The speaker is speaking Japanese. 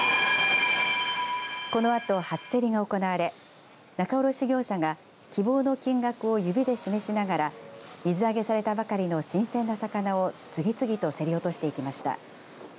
このあと、初競りが行われ仲卸業者が希望の金額を指で示しながら水揚げされたばかりの新鮮な魚を次々と競り落としていきました。